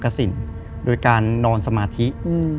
คือก่อนอื่นพี่แจ็คผมได้ตั้งชื่อ